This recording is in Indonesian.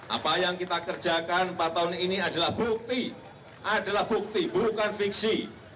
apa yang kita kerjakan empat tahun ini adalah bukti adalah bukti bukan fiksi